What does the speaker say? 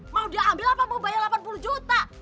mau dia ambil apa mau bayar delapan puluh juta